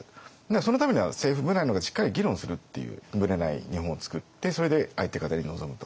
そのためには政府部内でしっかり議論するっていうブレない日本を作ってそれで相手方に臨むと。